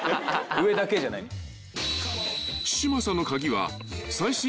上だけじゃないのよ。